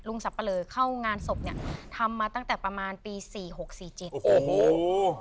สับปะเลอเข้างานศพเนี้ยทำมาตั้งแต่ประมาณปีสี่หกสี่เจ็ดโอ้โห